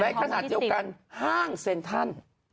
ในขณะเดียวกันห้างเซ็นทรัล